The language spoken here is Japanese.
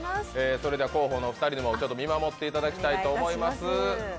広報のお二人にも見守っていただきたいと思います。